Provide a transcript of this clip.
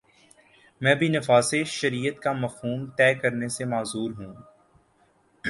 میں بھی نفاذ شریعت کا مفہوم طے کرنے سے معذور ہوں۔